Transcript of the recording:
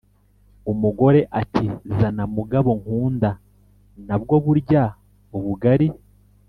umugore ati “zana mugabo nkunda nabwo burya ubugari.